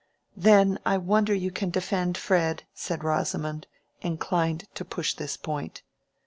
"Then I wonder you can defend Fred," said Rosamond, inclined to push this point.